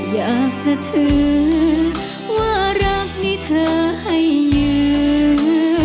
อยากจะถือว่ารักนี่เธอให้ยืน